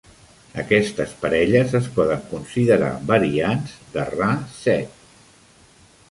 Aquestes parelles es poden considerar variants de Ra-Set.